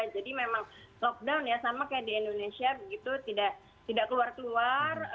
jadi memang lockdown ya sama kayak di indonesia begitu tidak keluar keluar